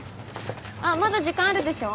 あっまだ時間あるでしょ？